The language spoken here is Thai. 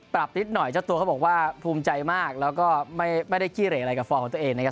นิดหน่อยเจ้าตัวเขาบอกว่าภูมิใจมากแล้วก็ไม่ได้ขี้เหลกอะไรกับฟอร์มของตัวเองนะครับ